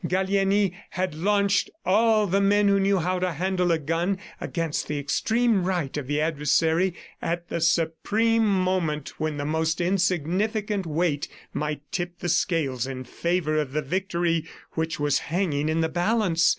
Gallieni had launched all the men who knew how to handle a gun against the extreme right of the adversary at the supreme moment when the most insignificant weight might tip the scales in favor of the victory which was hanging in the balance.